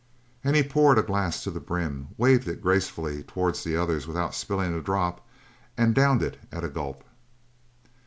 And he poured a glass to the brim, waved it gracefully towards the others without spilling a drop, and downed it at a gulp.